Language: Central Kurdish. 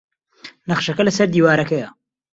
نەخشەکە لەسەر دیوارەکەیە.